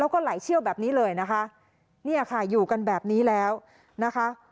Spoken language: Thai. แล้วก็ไหลเชี่ยวแบบนี้เลยนะคะเนี่ยค่ะอยู่กันแบบนี้แล้วนะคะ